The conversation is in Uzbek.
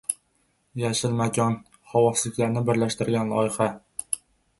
“Yashil makon”: Xovosliklarni birlashtirgan loyiha